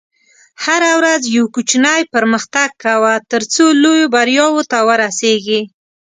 هره ورځ یو کوچنی پرمختګ کوه، ترڅو لویو بریاوو ته ورسېږې.